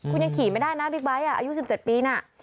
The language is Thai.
คุณยังขี่ไม่ได้นะบิ๊กไบท์อายุ๑๗ปีน่ะ